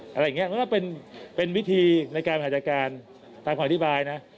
อะไรอย่างนี้มันก็เป็นวิธีในการบริหารจัดการตามคำอธิบายนะ